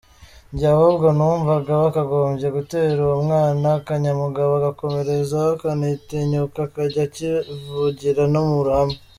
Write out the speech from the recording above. njye ahubwo numvaga bakagombye gutera uwo mwana akanyabugabo agakomerezaho akanatinyuka akajya akivugira no muruhame.